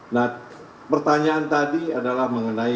nah pertanyaan tadi adalah mengenai